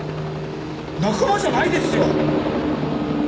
仲間じゃないですよ！